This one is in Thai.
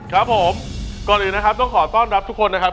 ครับผมก่อนอื่นนะครับต้องขอต้อนรับทุกคนนะครับ